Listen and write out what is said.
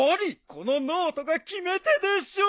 このノートが決め手でしょう。